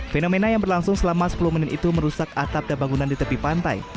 fenomena yang berlangsung selama sepuluh menit itu merusak atap dan bangunan di tepi pantai